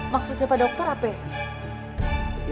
maksudnya pak dokter apa ya